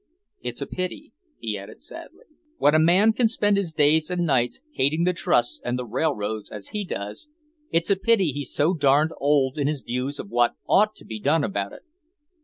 It's a pity," he added sadly. "When a man can spend his days and nights hating the trusts and the railroads as he does, it's a pity he's so darned old in his views of what ought to be done about it.